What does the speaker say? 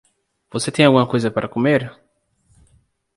Você tem alguma coisa para comer?